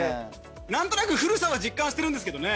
なんとなく古さは実感してるんですけどね